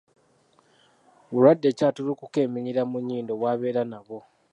Bulwadde ki attulukuka eminyira mu nnyindo bwabeera nabwo?